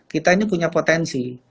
kita ini punya potensi